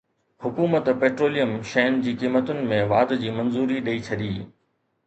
حڪومت پيٽروليم شين جي قيمتن ۾ واڌ جي منظوري ڏئي ڇڏي